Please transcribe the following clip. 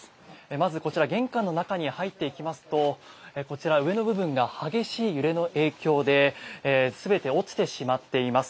まず、こちら玄関の中に入っていきますと上の部分が激しい揺れの影響で全て落ちてしまっています。